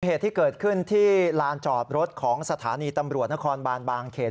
เหตุที่เกิดขึ้นที่ลานจอดรถของสถานีตำรวจนครบานบางเขน